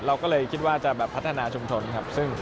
เราก็เลยคิดว่าจะแบบพัฒนาชุมชนครับ